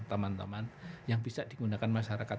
taman taman yang bisa digunakan masyarakat